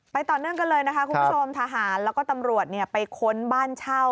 ต่อเนื่องกันเลยนะคะคุณผู้ชมทหารแล้วก็ตำรวจไปค้นบ้านเช่า